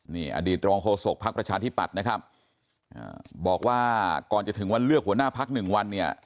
นี่อดีตรองโฆษกภักดิ์ประชาธิปัตย์นะครับบอกว่าก่อนจะถึงวันเลือกหัวหน้าพักหนึ่งวันเนี่ย